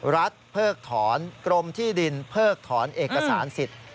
เพิกถอนกรมที่ดินเพิกถอนเอกสารสิทธิ์